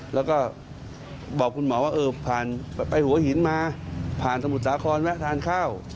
แล้วก็บอกคุณหมอว่าเออผ่านไปหัวหินมาผ่านสมุทรสาครแวะทานข้าว